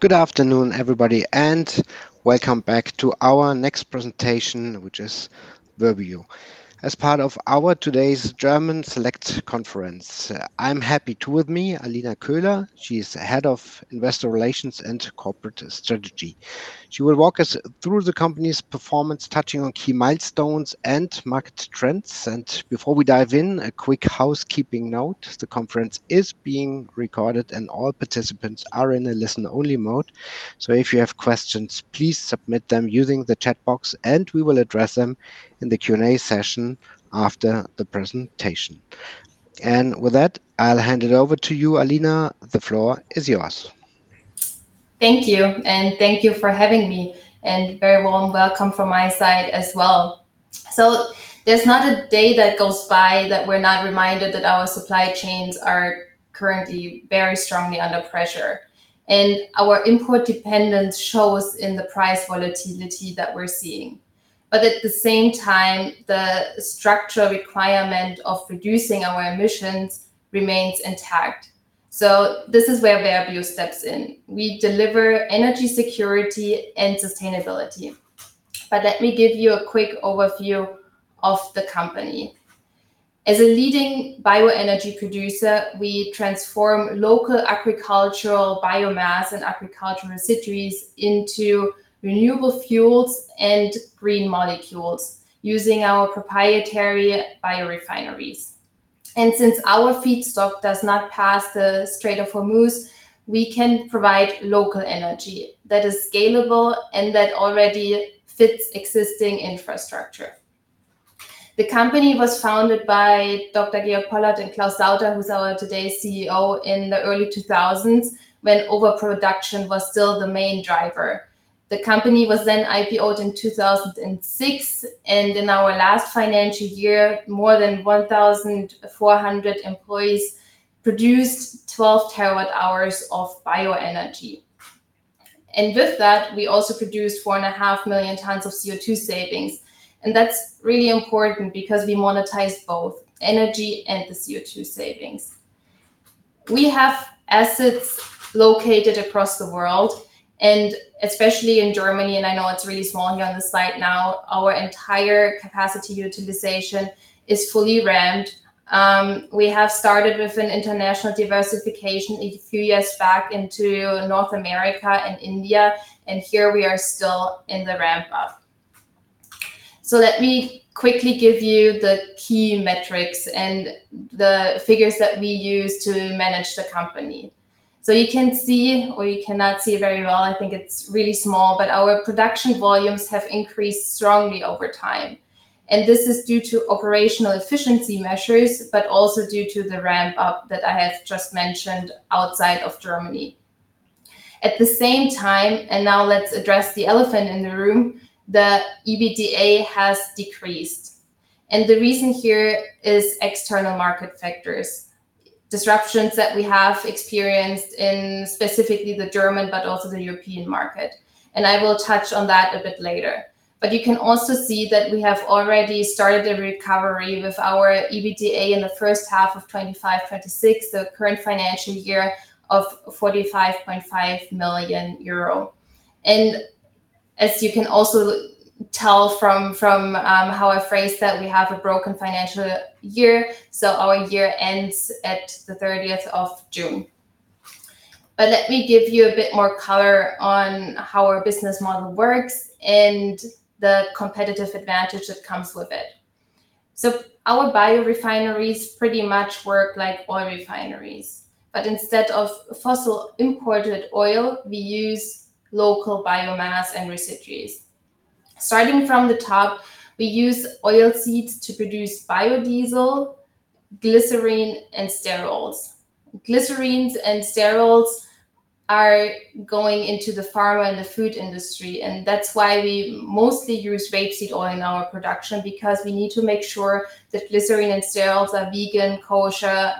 Good afternoon, everybody, and welcome back to our next presentation, which is Verbio. As part of our today's German Select Conference, I'm happy to have with me Alina Köhler. She's the Head of Investor Relations and Corporate Strategy. She will walk us through the company's performance, touching on key milestones and market trends. Before we dive in, a quick housekeeping note, the conference is being recorded and all participants are in a listen-only mode. If you have questions, please submit them using the chat box and we will address them in the Q&A session after the presentation. With that, I'll hand it over to you, Alina. The floor is yours. Thank you, and thank you for having me, and a very warm welcome from my side as well. There's not a day that goes by that we're not reminded that our supply chains are currently very strongly under pressure, and our import dependence shows in the price volatility that we're seeing. At the same time, the structural requirement of reducing our emissions remains intact. This is where Verbio steps in. We deliver energy security and sustainability. Let me give you a quick overview of the company. As a leading bioenergy producer, we transform local agricultural biomass and agricultural residues into renewable fuels and green molecules using our proprietary biorefineries. Since our feedstock does not pass the Strait of Hormuz, we can provide local energy that is scalable and that already fits existing infrastructure. The company was founded by Dr. Georg Pollert and Claus Sauter, who's our today CEO, in the early 2000s when overproduction was still the main driver. The company was then IPO'd in 2006. In our last financial year, more than 1,400 employees produced 12 TWh of bioenergy. With that, we also produced 4.5 million tons of CO2 savings. That's really important because we monetize both energy and the CO2 savings. We have assets located across the world, and especially in Germany. I know it's really small here on the slide now, our entire capacity utilization is fully ramped. We have started with an international diversification a few years back into North America and India. Here we are still in the ramp-up. Let me quickly give you the key metrics and the figures that we use to manage the company. You can see, or you cannot see very well, I think it's really small, but our production volumes have increased strongly over time, and this is due to operational efficiency measures, but also due to the ramp-up that I have just mentioned outside of Germany. At the same time, and now let's address the elephant in the room, the EBITDA has decreased. The reason here is external market factors, disruptions that we have experienced in specifically the German, but also the European market. I will touch on that a bit later. You can also see that we have already started a recovery with our EBITDA in the first half of 2025/2026, the current financial year, of 45.5 million euro. As you can also tell from how I phrased that, we have a broken financial year, so our year ends at the 30th of June. Let me give you a bit more color on how our business model works and the competitive advantage that comes with it. Our biorefineries pretty much work like oil refineries, but instead of fossil imported oil, we use local biomass and residues. Starting from the top, we use oil seeds to produce biodiesel, glycerine, and sterols. Glycerine and sterols are going into the pharma and the food industry, and that's why we mostly use rapeseed oil in our production, because we need to make sure that glycerine and sterols are vegan, kosher,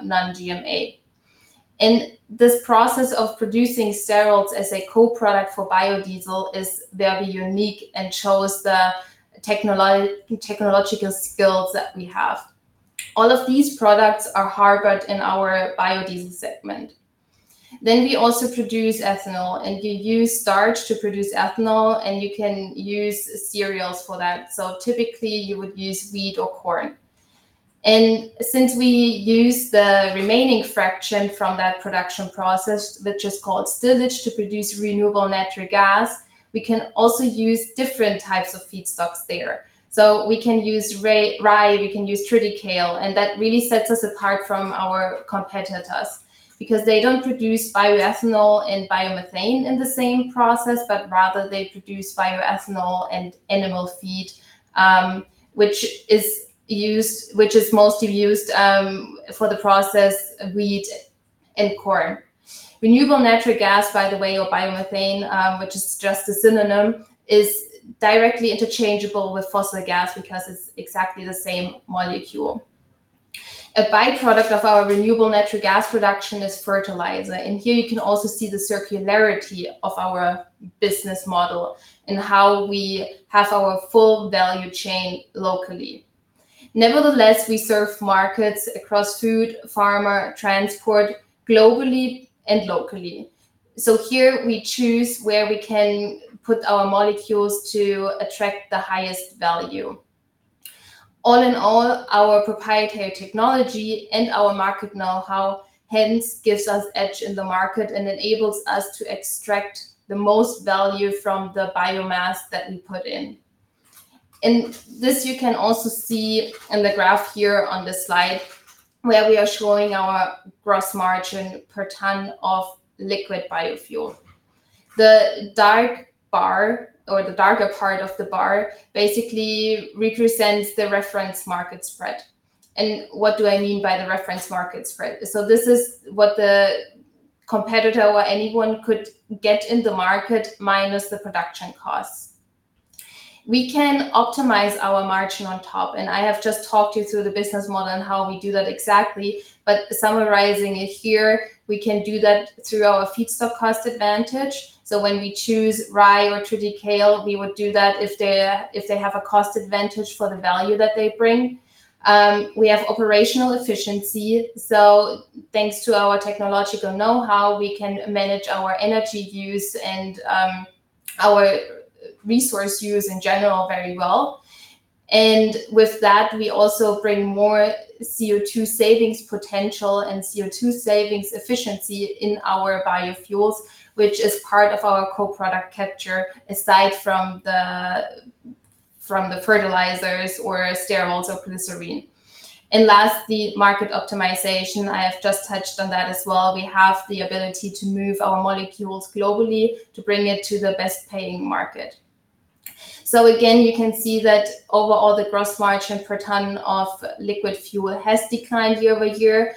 non-GMO. This process of producing sterols as a co-product for biodiesel is very unique and shows the technological skills that we have. All of these products are harbored in our Biodiesel segment. We also produce ethanol, and you use starch to produce ethanol, and you can use cereals for that. Typically, you would use wheat or corn. Since we use the remaining fraction from that production process, which is called stillage, to produce renewable natural gas, we can also use different types of feedstocks there. We can use rye, we can use triticale, and that really sets us apart from our competitors, because they don't produce bioethanol and biomethane in the same process, but rather they produce bioethanol and animal feed, which is mostly used for the process wheat and corn. Renewable natural gas, by the way, or biomethane, which is just a synonym, is directly interchangeable with fossil gas because it's exactly the same molecule. A byproduct of our renewable natural gas production is fertilizer, and here you can also see the circularity of our business model and how we have our full value chain locally. Nevertheless, we serve markets across food, pharma, transport, globally and locally. Here we choose where we can put our molecules to attract the highest value. All in all, our proprietary technology and our market know-how, hence gives us edge in the market and enables us to extract the most value from the biomass that we put in. This you can also see in the graph here on this slide, where we are showing our gross margin per ton of liquid biofuel. The dark bar or the darker part of the bar basically represents the reference market spread. What do I mean by the reference market spread? This is what the competitor or anyone could get in the market, minus the production costs. We can optimize our margin on top, and I have just talked you through the business model and how we do that exactly. Summarizing it here, we can do that through our feedstock cost advantage. When we choose rye or triticale, we would do that if they have a cost advantage for the value that they bring. We have operational efficiency, so thanks to our technological know-how, we can manage our energy use and our resource use in general very well. With that, we also bring more CO2 savings potential and CO2 savings efficiency in our biofuels, which is part of our co-product capture, aside from the fertilizers or sterols or glycerine. Last, the market optimization, I have just touched on that as well. We have the ability to move our molecules globally to bring it to the best paying market. Again, you can see that overall the gross margin per ton of liquid fuel has declined year-over-year.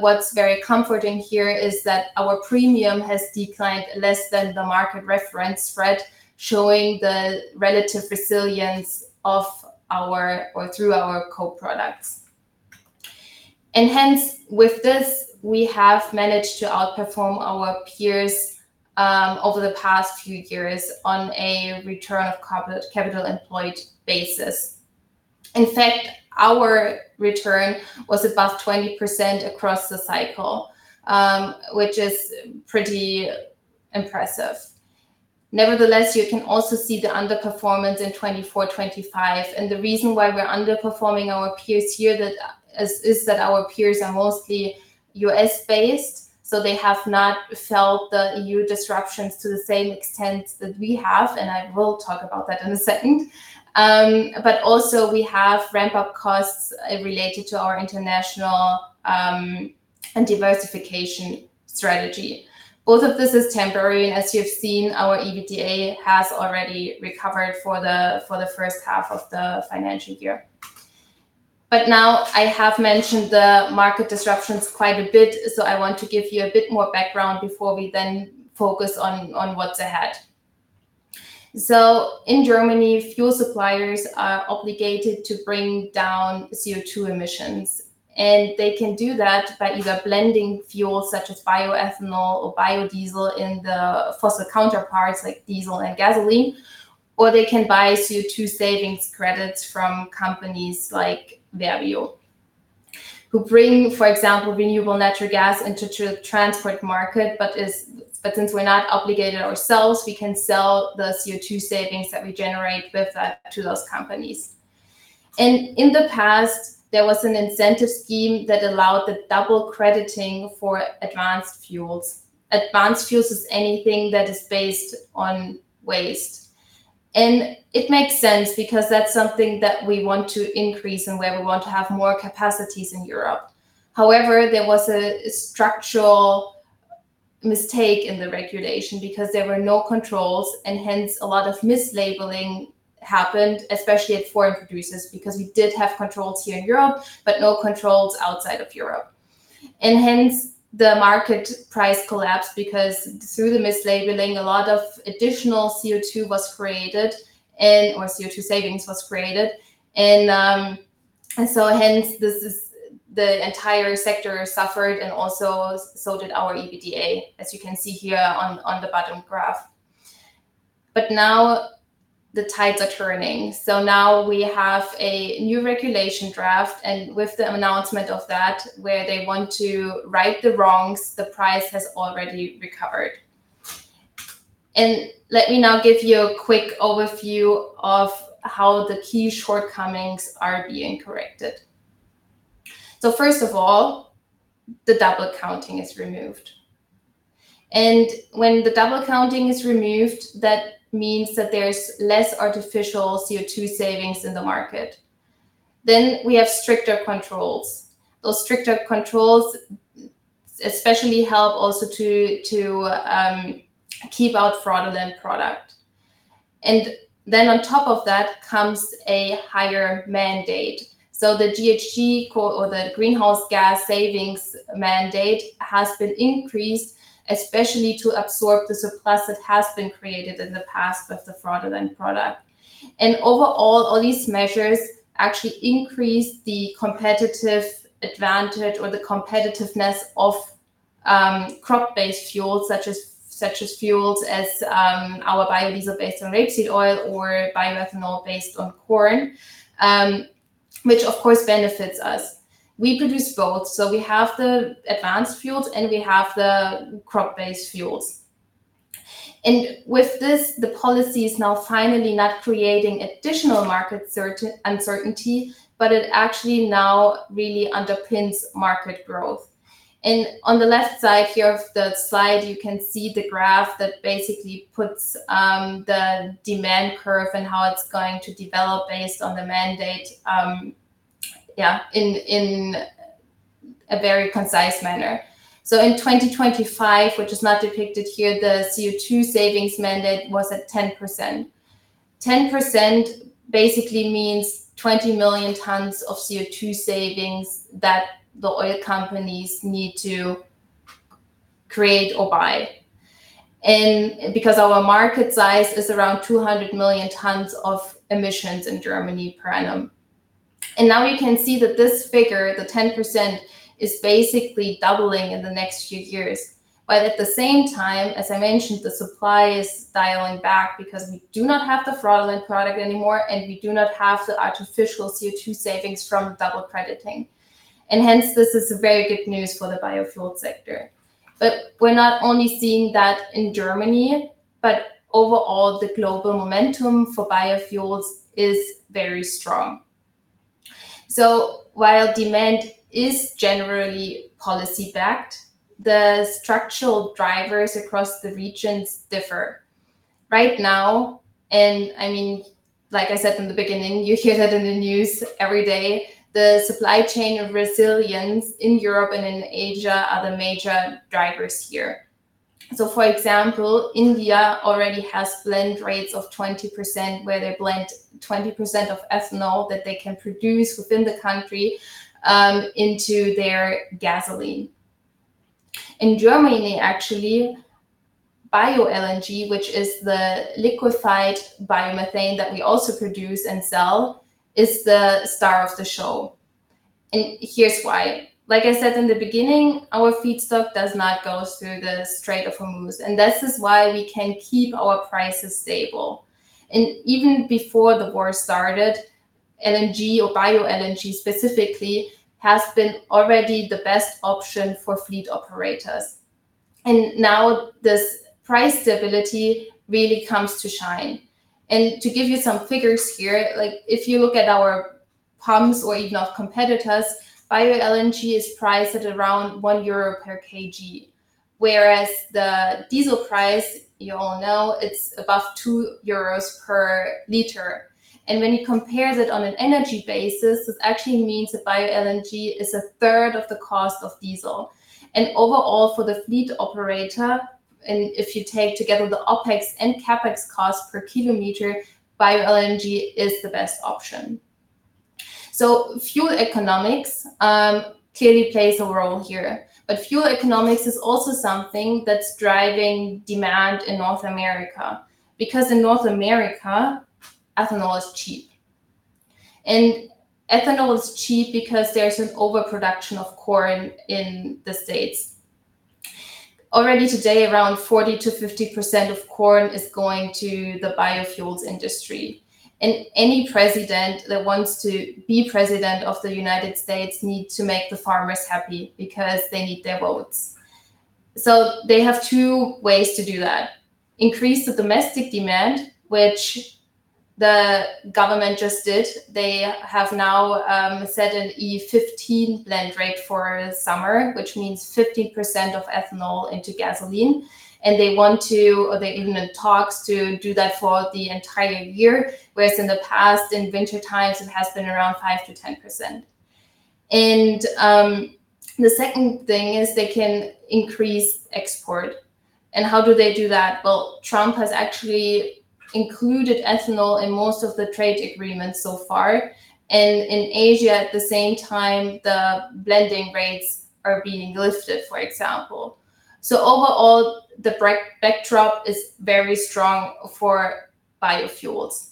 What's very comforting here is that our premium has declined less than the market reference spread, showing the relative resilience of our, or through our co-products. Hence, with this, we have managed to outperform our peers over the past few years on a return on capital employed basis. In fact, our return was above 20% across the cycle, which is pretty impressive. Nevertheless, you can also see the underperformance in 2024, 2025. The reason why we're underperforming our peers here is that our peers are mostly U.S.-based, so they have not felt the E.U. disruptions to the same extent that we have, and I will talk about that in a second. Also we have ramp-up costs related to our international and diversification strategy. Both of this is temporary. As you have seen, our EBITDA has already recovered for the first half of the financial year. Now I have mentioned the market disruptions quite a bit, so I want to give you a bit more background before we then focus on what's ahead. In Germany, fuel suppliers are obligated to bring down CO2 emissions, and they can do that by either blending fuel such as bioethanol or biodiesel in the fossil counterparts like diesel and gasoline, or they can buy CO2 savings credits from companies like Verbio, who bring, for example, renewable natural gas into transport market. Since we're not obligated ourselves, we can sell the CO2 savings that we generate with that to those companies. In the past, there was an incentive scheme that allowed the double crediting for advanced fuels. Advanced fuels is anything that is based on waste. It makes sense because that's something that we want to increase and where we want to have more capacities in Europe. However, there was a structural mistake in the regulation because there were no controls and hence a lot of mislabeling happened, especially at foreign producers, because we did have controls here in Europe, but no controls outside of Europe. Hence the market price collapsed, because through the mislabeling, a lot of additional CO2 was created and/or CO2 savings was created. Hence the entire sector suffered and also, so did our EBITDA, as you can see here on the bottom graph. Now the tides are turning. Now we have a new regulation draft, and with the announcement of that, where they want to right the wrongs, the price has already recovered. Let me now give you a quick overview of how the key shortcomings are being corrected. First of all, the double counting is removed. When the double counting is removed, that means that there's less artificial CO2 savings in the market. We have stricter controls. Those stricter controls especially help also to keep out fraudulent product. On top of that comes a higher mandate. The GHG or the greenhouse gas savings mandate has been increased, especially to absorb the surplus that has been created in the past with the fraudulent product. Overall, all these measures actually increase the competitive advantage or the competitiveness of crop-based fuels, such as fuels as our biodiesel based on rapeseed oil or bioethanol based on corn, which of course, benefits us. We produce both, so we have the advanced fuels and we have the crop-based fuels. With this, the policy is now finally not creating additional market uncertainty, but it actually now really underpins market growth. On the left side here of the slide, you can see the graph that basically puts the demand curve and how it's going to develop based on the mandate in a very concise manner. In 2025, which is not depicted here, the CO2 savings mandate was at 10%. 10% basically means 20 million tons of CO2 savings that the oil companies need to create or buy because our market size is around 200 million tons of emissions in Germany per annum. Now we can see that this figure, the 10%, is basically doubling in the next few years. At the same time, as I mentioned, the supply is dialing back because we do not have the fraudulent product anymore, and we do not have the artificial CO2 savings from double crediting. Hence, this is very good news for the biofuel sector. We're not only seeing that in Germany, but overall, the global momentum for biofuels is very strong. While demand is generally policy-backed, the structural drivers across the regions differ. Right now, and like I said in the beginning, you hear that in the news every day, the supply chain resilience in Europe and in Asia are the major drivers here. For example, India already has blend rates of 20%, where they blend 20% of ethanol that they can produce within the country into their gasoline. In Germany, actually, BioLNG, which is the liquefied biomethane that we also produce and sell, is the star of the show. Here's why. Like I said in the beginning, our feedstock does not go through the Strait of Hormuz, and this is why we can keep our prices stable. Even before the war started, LNG or BioLNG specifically has been already the best option for fleet operators. Now this price stability really comes to shine. To give you some figures here, if you look at our pumps or even of competitors, BioLNG is priced at around 1 euro per kg, whereas the diesel price, you all know, it's above 2 euros per liter. When you compare that on an energy basis, this actually means that BioLNG is 1/3 of the cost of diesel. Overall, for the fleet operator, and if you take together the OpEx and CapEx cost per km, BioLNG is the best option. Fuel economics clearly plays a role here. Fuel economics is also something that's driving demand in North America, because in North America, ethanol is cheap. Ethanol is cheap because there's an overproduction of corn in the States. Already today, around 40%-50% of corn is going to the biofuels industry. Any president that wants to be president of the United States need to make the farmers happy because they need their votes. They have two ways to do that. Increase the domestic demand, which the government just did. They have now set an E15 blend rate for summer, which means 15% of ethanol into gasoline, and they're even in talks to do that for the entire year, whereas in the past, in winter times, it has been around 5%-10%. The second thing is they can increase export. How do they do that? Well, Trump has actually included ethanol in most of the trade agreements so far. In Asia, at the same time, the blending rates are being lifted, for example. Overall, the backdrop is very strong for biofuels.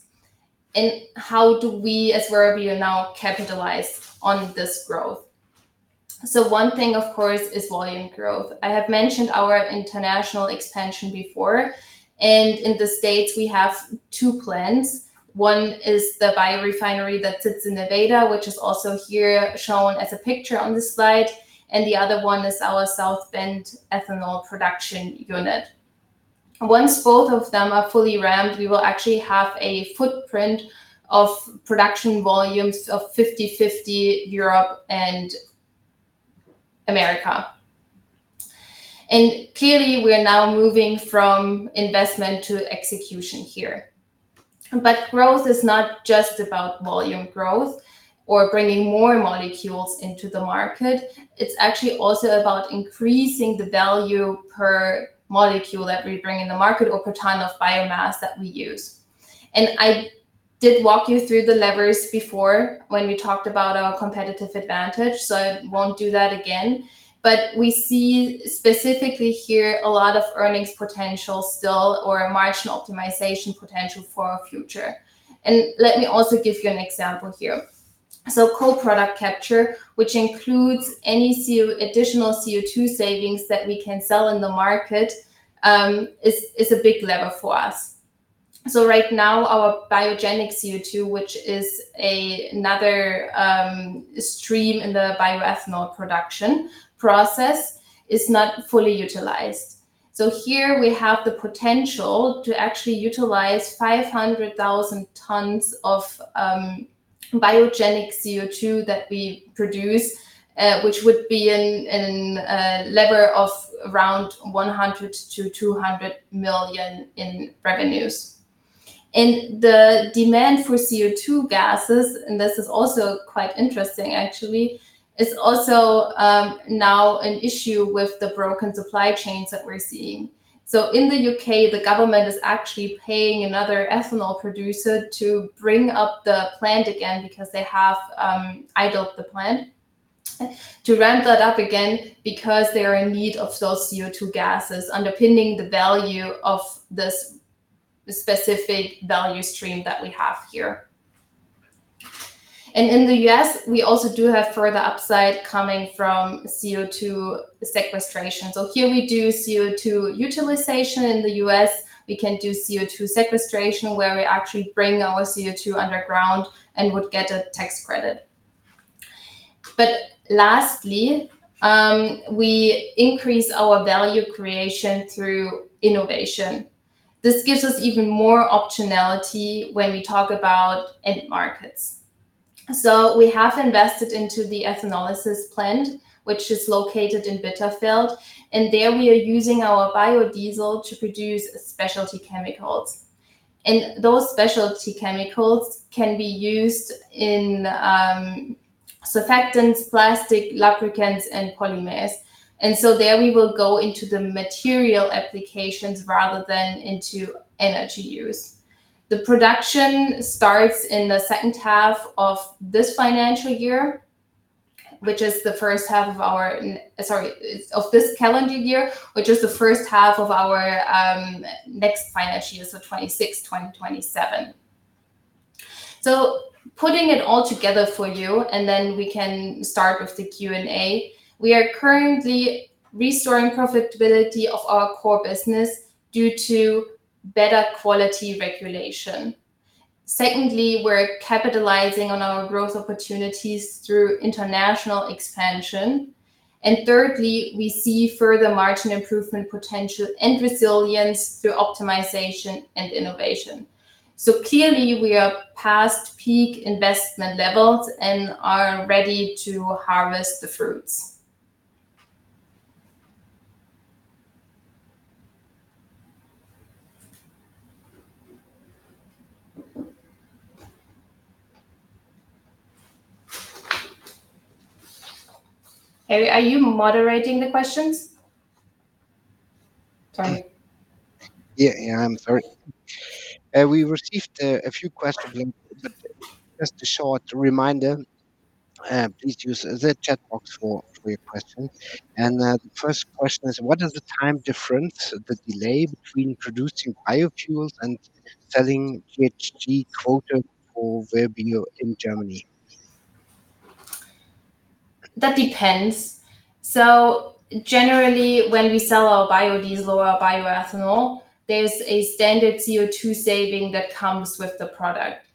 How do we, as Verbio, now capitalize on this growth? One thing, of course, is volume growth. I have mentioned our international expansion before. In the States, we have two plants. One is the biorefinery that sits in Nevada, which is also here shown as a picture on this slide, and the other one is our South Bend ethanol production unit. Once both of them are fully ramped, we will actually have a footprint of production volumes of 50/50 Europe and America. Clearly, we are now moving from investment to execution here. Growth is not just about volume growth or bringing more molecules into the market. It's actually also about increasing the value per molecule that we bring in the market or per ton of biomass that we use. I did walk you through the levers before when we talked about our competitive advantage, so I won't do that again. We see specifically here a lot of earnings potential still or a margin optimization potential for our future. Let me also give you an example here. Co-product capture, which includes any additional CO2 savings that we can sell in the market, is a big lever for us. Right now, our biogenic CO2, which is another stream in the bioethanol production process, is not fully utilized. Here we have the potential to actually utilize 500,000 tons of biogenic CO2 that we produce, which would be in a level of around 100 million-200 million in revenues. The demand for CO2 gases, and this is also quite interesting actually, is also now an issue with the broken supply chains that we're seeing. In the U.K., the government is actually paying another ethanol producer to bring up the plant again, because they have idled the plant, to ramp that up again because they are in need of those CO2 gases, underpinning the value of this specific value stream that we have here. In the U.S., we also do have further upside coming from CO2 sequestration. Here we do CO2 utilization in the U.S. We can do CO2 sequestration, where we actually bring our CO2 underground and would get a tax credit. Lastly, we increase our value creation through innovation. This gives us even more optionality when we talk about end markets. We have invested into the ethenolysis plant, which is located in Bitterfeld, and there we are using our biodiesel to produce specialty chemicals. Those specialty chemicals can be used in surfactants, plastic lubricants, and polymers. There we will go into the material applications rather than into energy use. The production starts in the second half of this financial year, which is the first half of our, oh sorry, of this calendar year, which is the first half of our next financial year, so 2026/2027. Putting it all together for you, and then we can start with the Q&A. We are currently restoring profitability of our core business due to better quality regulation. Secondly, we're capitalizing on our growth opportunities through international expansion. Thirdly, we see further margin improvement potential and resilience through optimization and innovation. Clearly we are past peak investment levels and are ready to harvest the fruits. Harry, are you moderating the questions? Sorry. Yeah. I'm sorry. We received a few questions, and just a short reminder, please use the chat box for your questions. The first question is, what is the time difference, the delay between producing biofuels and selling GHG quota for Verbio in Germany? That depends. Generally, when we sell our biodiesel or our bioethanol, there's a standard CO2 saving that comes with the product.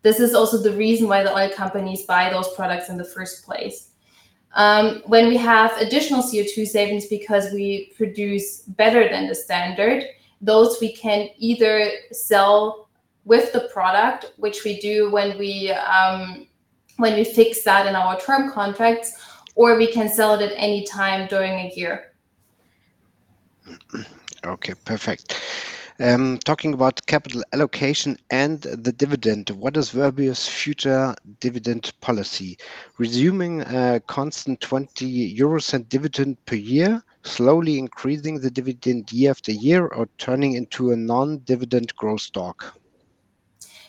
This is also the reason why the oil companies buy those products in the first place. When we have additional CO2 savings because we produce better than the standard, those we can either sell with the product, which we do when we fix that in our term contracts, or we can sell it at any time during a year. Okay, perfect. Talking about capital allocation and the dividend, what is Verbio's future dividend policy? Resuming a constant 0.20 euros dividend per year, slowly increasing the dividend year after year, or turning into a non-dividend growth stock?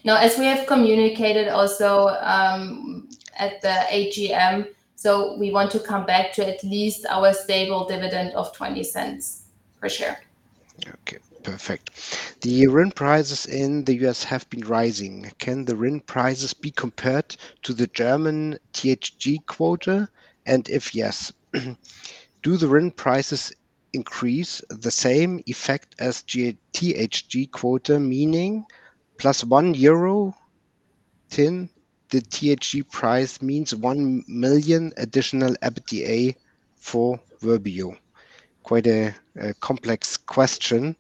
No, as we have communicated also at the AGM, we want to come back to at least our stable dividend of 0.20 per share. Okay, perfect. The RIN prices in the U.S. have been rising. Can the RIN prices be compared to the German GHG quota? If yes, do the RIN prices increase the same effect as GHG quota, meaning plus 1 euro in the GHG price means 1 million additional EBITDA for Verbio? Quite a complex question.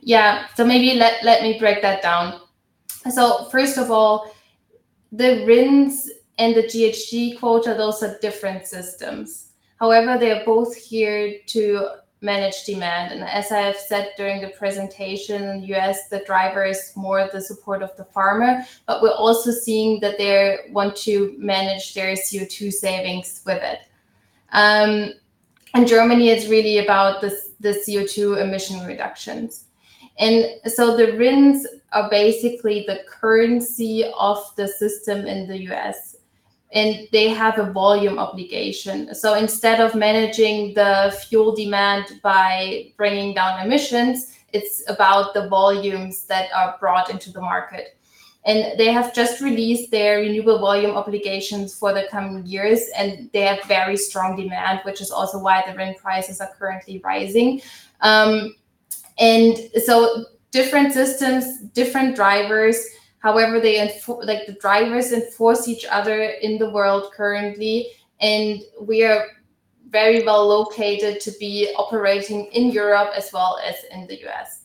Yeah. Maybe let me break that down. First of all, the RINS and the GHG quota, those are different systems. However, they are both here to manage demand, and as I have said during the presentation, in the U.S., the driver is more the support of the farmer. We're also seeing that they want to manage their CO2 savings with it. In Germany, it's really about the CO2 emission reductions. The RINS are basically the currency of the system in the U.S. They have a volume obligation. Instead of managing the fuel demand by bringing down emissions, it's about the volumes that are brought into the market. They have just released their Renewable Volume Obligations for the coming years, and they have very strong demand, which is also why the RIN prices are currently rising. Different systems, different drivers, however, the drivers enforce each other in the world currently, and we are very well located to be operating in Europe as well as in the U.S.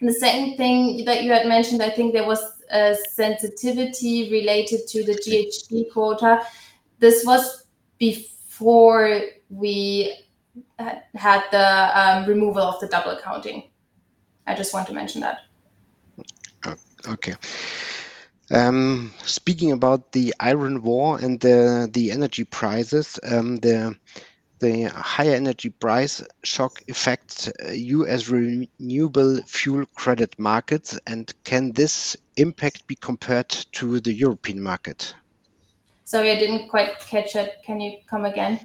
The same thing that you had mentioned, I think there was a sensitivity related to the GHG quota. This was before we had the removal of the double counting. I just want to mention that. Oh, okay. Speaking about the Iran war and the energy prices, the higher energy price shock affects U.S. renewable fuel credit markets. Can this impact be compared to the European market? Sorry, I didn't quite catch it. Can you come again?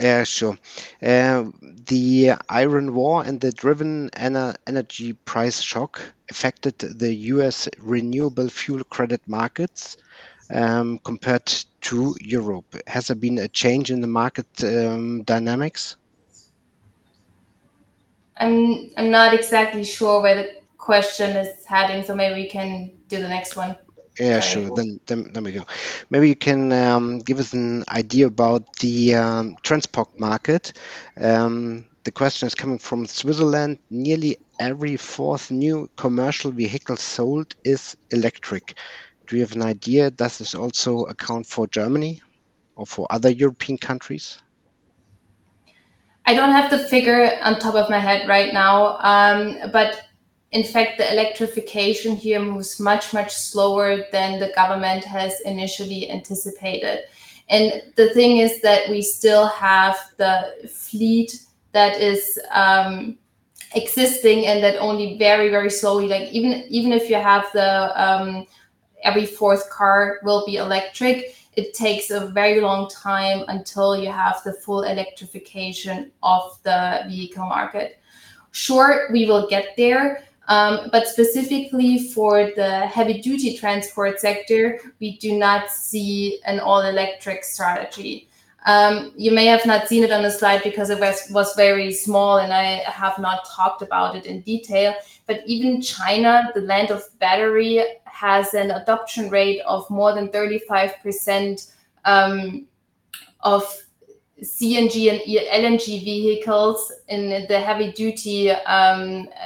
Yeah, sure. The Iran war and the sudden energy price shock affected the U.S. renewable fuel credit markets, compared to Europe. Has there been a change in the market dynamics? I'm not exactly sure where the question is heading, so maybe we can do the next one. Yeah, sure. We go. Maybe you can give us an idea about the transport market. The question is coming from Switzerland. Nearly every fourth new commercial vehicle sold is electric. Do you have an idea? Does this also account for Germany or for other European countries? I don't have the figure on top of my head right now. In fact, the electrification here moves much, much slower than the government has initially anticipated. The thing is that we still have the fleet that is existing and that only very, very slowly, even if you have every fourth car will be electric, it takes a very long time until you have the full electrification of the vehicle market. Sure, we will get there. Specifically for the heavy-duty transport sector, we do not see an all-electric strategy. You may have not seen it on the slide because it was very small and I have not talked about it in detail. Even China, the land of battery, has an adoption rate of more than 35% of CNG and LNG vehicles in the heavy-duty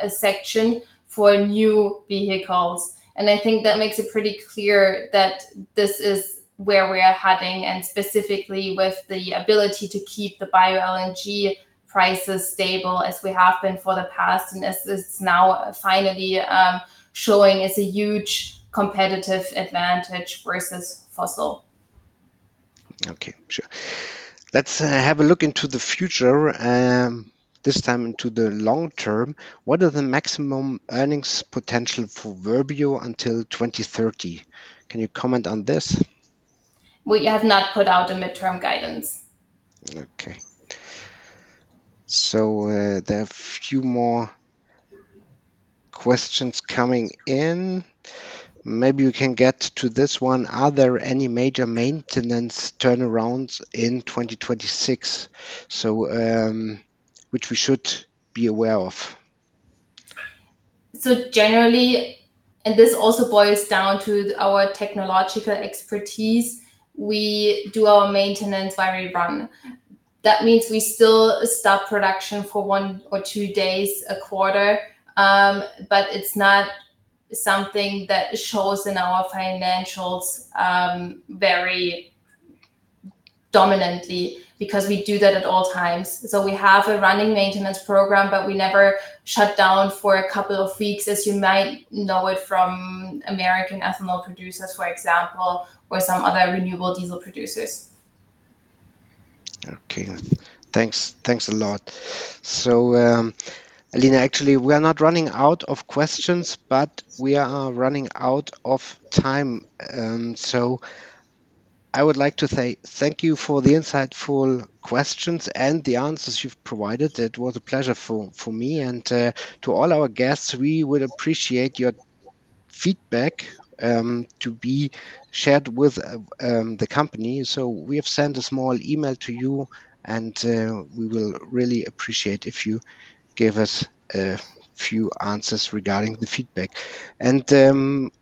section for new vehicles. I think that makes it pretty clear that this is where we are heading, and specifically with the ability to keep the BioLNG prices stable as we have been for the past. This is now finally showing it's a huge competitive advantage versus fossil. Okay, sure. Let's have a look into the future, this time into the long term. What are the maximum earnings potential for Verbio until 2030? Can you comment on this? We have not put out a midterm guidance. Okay. There are a few more questions coming in. Maybe we can get to this one. Are there any major maintenance turnarounds in 2026, which we should be aware of? Generally, and this also boils down to our technological expertise, we do our maintenance while we run. That means we still stop production for one or two days a quarter, but it's not something that shows in our financials very dominantly because we do that at all times. We have a running maintenance program, but we never shut down for a couple of weeks as you might know it from American ethanol producers, for example, or some other renewable diesel producers. Okay. Thanks a lot. Alina, actually, we are not running out of questions, but we are running out of time. I would like to say thank you for the insightful questions and the answers you've provided. It was a pleasure for me and to all our guests. We would appreciate your feedback to be shared with the company. We have sent a small email to you, and we will really appreciate if you give us a few answers regarding the feedback.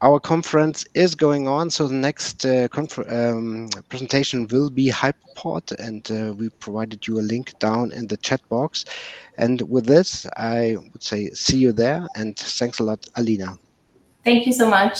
Our conference is going on, so the next presentation will be Hypoport SE, and we provided you a link down in the chat box. With this, I would say see you there, and thanks a lot, Alina. Thank you so much.